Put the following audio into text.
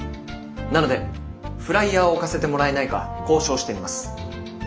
なのでフライヤーを置かせてもらえないか交渉してみます。